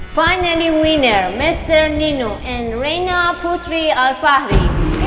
akhirnya menangnya nino dan reina putri alfahri